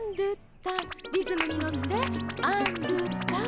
リズムに乗ってアンドゥターン。